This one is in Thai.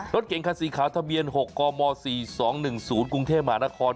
รถเก่งคันสีขาวทะเบียน๖กม๔๒๑๐กรุงเทพมหานคร